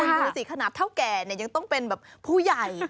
คุณดูสิขนาดเท่าแก่ยังต้องเป็นแบบผู้ใหญ่